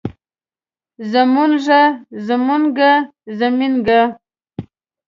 زمونږه زمونګه زمينګه